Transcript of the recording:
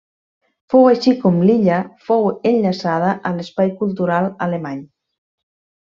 Fou així com l'illa fou enllaçada a l'espai cultural alemany.